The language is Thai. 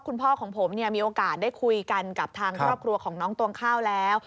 คุณพ่อของผมเนี่ยมีโอกาสได้คุยกันกับทางครอบครัวของน้องตวงข้าวแล้ว